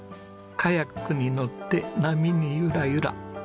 カヤックに乗って波にゆらゆら。